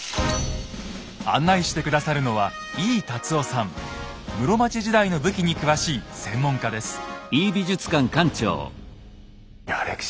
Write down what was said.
案内して下さるのは室町時代の武器に詳しい専門家です。